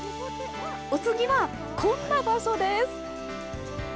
お次はこんな場所です